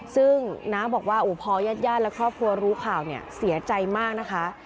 ซึ่งน้าบอกว่าอุพย่านและครอบครัวรู้ข่าวเสียใจมากนะคะ